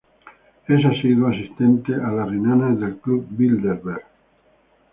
Es asiduo asistente a las reuniones del Club Bilderberg.